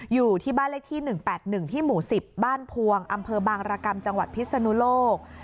อยู่ที่บ้านเลขที่๑๘๑ที่หมู่๑๐บ้านพวงอำเภอบางรกรรมจังหวัดพิศนุโลก